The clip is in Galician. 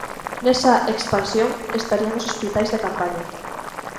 Nesa "expansión" estarían os hospitais de campaña.